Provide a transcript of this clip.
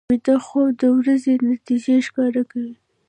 ویده خوب د ورځې نتیجې ښکاره کوي